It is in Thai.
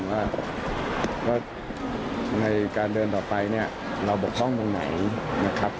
ว่าในการเดินต่อไปเนี่ยเราบกพร่องตรงไหนนะครับ